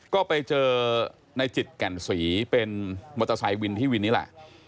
ก็ไปเจอในจิตแก่นศรีเป็นมอเตอร์ไซค์วินที่วินนี่แหละ